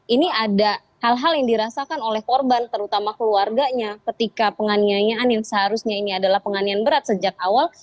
ini ada hal hal yang dirasakan oleh korban terutama keluarganya ketika penganiayaan yang seharusnya ini adalah penganian berat sejak awal